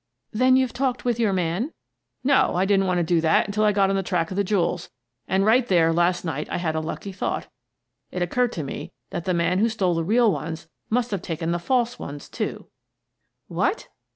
" Then youVe talked with your man? "" No, I didn't want to do that until I got on the track of the jewels. And right there, last night, I had a lucky thought. It occurred to me that the man who stole the real ones must have taken the false ones, too." "What?"